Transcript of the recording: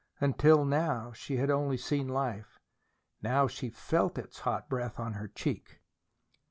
Until now she had only seen life. Now she felt its hot breath on her cheek.